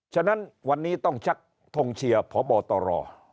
ฉะนั้นวันนี้ต้องชักทงเชียร์พบตร